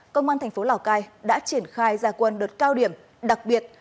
công an thành phố lào cai đã triển khai gia quân đợt cao điểm đặc biệt